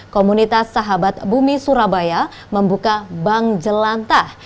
komunitas sahabat bumi surabaya membuka bank jelantah